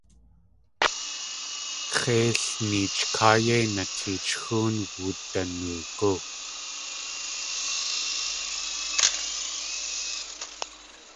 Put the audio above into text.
X̲eil neech káa yéi nateech xóon wudunoogú.